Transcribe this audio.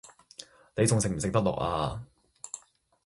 你仲食唔食得落呀